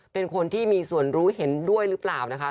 เป็นคนที่มีส่วนรู้เห็นด้วยหรือเปล่านะคะ